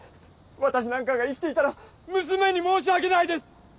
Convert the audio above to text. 私なんかが生きていたら娘に申し訳ないです！